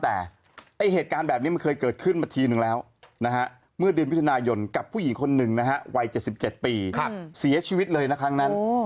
แต่เหตุการณ์แบบนี้มันเคยเกิดขึ้นมาทีนึงแล้วนะฮะเมื่อเดือนมิถุนายนกับผู้หญิงคนหนึ่งนะฮะวัย๗๗ปีเสียชีวิตเลยนะครั้งนั้น